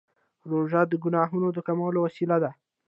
روژه د ګناهونو د کمولو وسیله ده.